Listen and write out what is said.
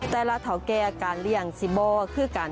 แต่ละเถาแก่การเลี้ยง๑๐บ่อคือกัน